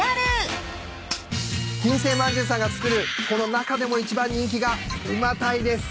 金生まんじゅうさんが作るこの中でも一番人気がうまだいです。